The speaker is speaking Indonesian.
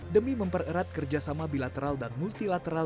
demi mempererat kerjasama bilateral dan multilateral